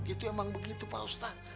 itu emang begitu pak ustadz